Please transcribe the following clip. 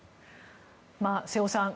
瀬尾さん